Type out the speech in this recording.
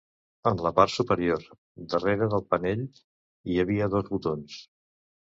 En la part superior, "darrere" del panell, hi havia dos botons.